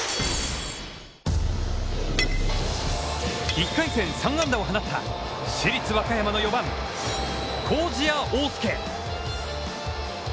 １回戦３安打を放った市立和歌山の４番麹家桜介。